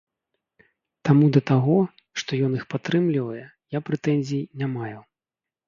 Таму да таго, што ён іх падтрымлівае, я прэтэнзій не маю.